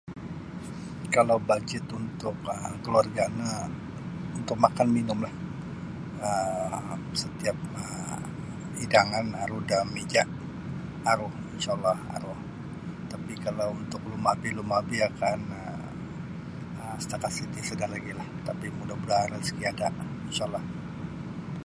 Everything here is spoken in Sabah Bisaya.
Kalau bajet untuk um keluarga no untuk makan minumlah um setiap um hidangan aru da mija aru InshaAllah aru tapi kalau untuk lumapi-lumapi ya kaan um setakat iti sada lagi lah tapi mudamudaan isa lagi ada InshaAllah.